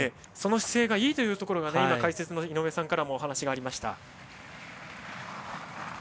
その姿勢がいいというのが解説の井上さんからもお話がありました。